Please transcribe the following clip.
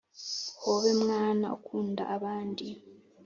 Hobe mwana ukunda abandi